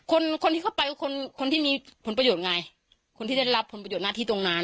คนคนที่เข้าไปคือคนคนที่มีผลประโยชน์ไงคนที่ได้รับผลประโยชนหน้าที่ตรงนั้น